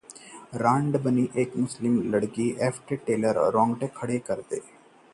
अब इस web series में दिखेंगी राधिका आप्टे, ट्रेलर रोंगटे खड़े करने वाला